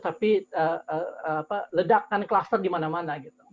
tapi ledakan klaster di mana mana